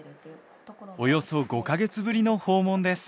およそ５カ月ぶりの訪問です。